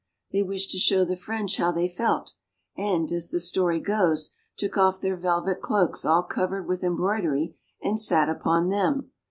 They wished to show the French how they felt, and, as the story goes, took off their velvet cloaks all covered with embroidery and sat upon them.